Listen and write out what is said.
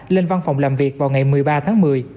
lên văn phòng làm việc vào ngày một mươi ba tháng một mươi